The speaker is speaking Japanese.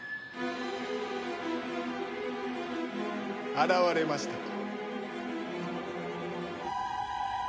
現れましたか。